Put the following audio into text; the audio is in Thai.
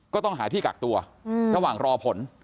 ก็ต้องหาที่กักตัวระหว่างรอผล